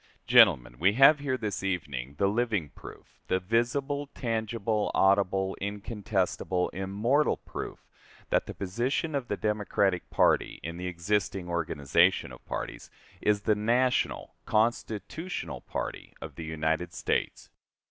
Gentlemen, we have here this evening the living proof, the visible, tangible, audible, incontestable, immortal proof, that the position of the Democratic party, in the existing organization of parties, is the national, constitutional party of the United States.